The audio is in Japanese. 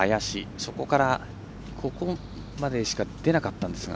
そこから、ここまでしか出なかったんですが。